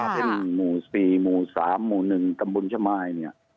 เป็นหมู่๔หมู่๓หมู่๑ตำบลชมายเนี่ย